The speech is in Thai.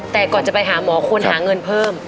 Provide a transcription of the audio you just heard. แต่ก่อนจะไปหาหมอควรหาเงินเพิ่ม